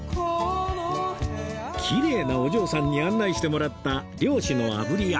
きれいなお嬢さんに案内してもらった漁師のあぶり家